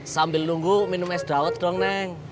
sambil nunggu minum es dawet dong neng